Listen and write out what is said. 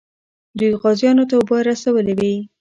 دوی غازیانو ته اوبه رسولې وې.